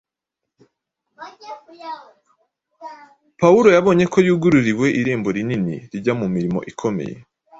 Pawulo yabonye ko “yugururiwe irembo rinini rijya mu mirimo ikomeye.”